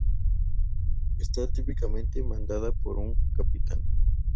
Está típicamente mandada por un capitán.